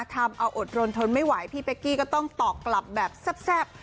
ทำเอาอดรนทนไม่ไหวพี่เป๊กกี้ก็ต้องตอบกลับแบบแซ่บ